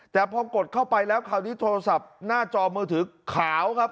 แต่พอกดเข้าไปแล้วคราวนี้โทรศัพท์หน้าจอมือถือขาวครับ